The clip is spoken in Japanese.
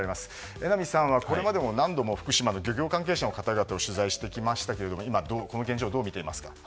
榎並さんは、これまでも何度も福島の漁業関係者の方を取材してきましたが今、この現状をどう見ていますか。